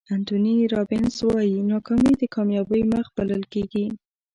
انتوني رابینز وایي ناکامي د کامیابۍ مخ بلل کېږي.